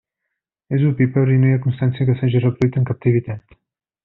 És ovípar i no hi ha constància que s'hagi reproduït en captivitat.